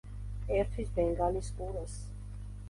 ერთვის ბენგალის ყურეს.